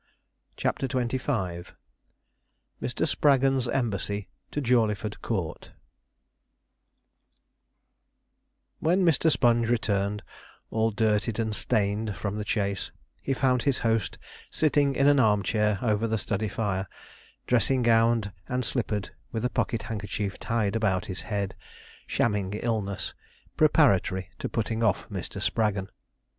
CHAPTER XXV MR. SPRAGGON'S EMBASSY TO JAWLEYFORD COURT When Mr. Sponge returned, all dirtied and stained, from the chase, he found his host sitting in an arm chair over the study fire, dressing gowned and slippered, with a pocket handkerchief tied about his head, shamming illness, preparatory to putting off Mr. Spraggon.